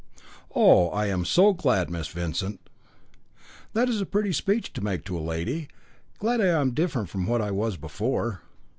"Oh! I am so glad, Miss Vincent." "That is a pretty speech to make to a lady! Glad I am different from what I was before."